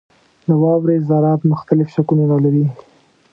• د واورې ذرات مختلف شکلونه لري.